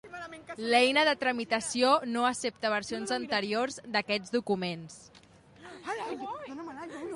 L'eina de tramitació no accepta versions anteriors d'aquests documents.